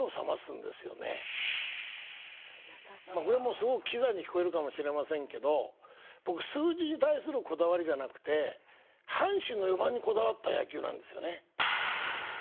これもすごくキザに聞こえるかもしれませんけど僕数字に対するこだわりじゃなくて阪神の４番にこだわった野球なんですよね。